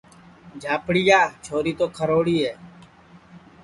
جھاپڑِیا چھوری تو کھروڑی ہے